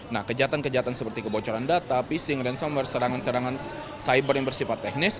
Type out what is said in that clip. nah kejahatan kejahatan seperti kebocoran data phishing ransumber serangan serangan cyber yang bersifat teknis